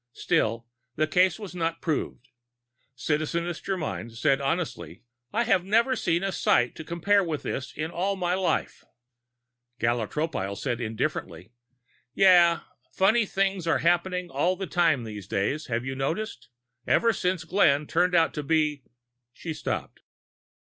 Still, the case was not proved. Citizeness Germyn said honestly: "I have never seen a sight to compare with this in all my life." Gala Tropile said indifferently: "Yeah. Funny things are happening all the time these days, have you noticed? Ever since Glenn turned out to be " She stopped.